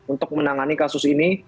untuk menangani kasus ini